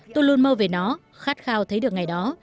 tôi luôn mong về nó khát khao thấy được ngày đó